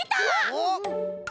おっ！